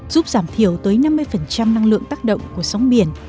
giúp giảm thiểu tới năm mươi năng lượng tác động của sóng biển